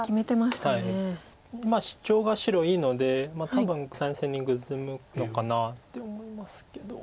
シチョウが白いいので多分３線にグズむのかなって思いますけど。